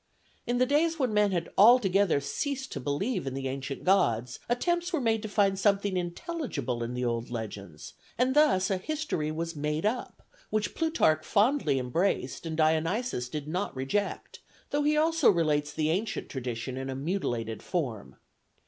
In the days when men had altogether ceased to believe in the ancient gods, attempts were made to find something intelligible in the old legends, and thus a history was made up, which Plutarch fondly embraced and Dionysius did not reject, though he also relates the ancient tradition in a mutilated form.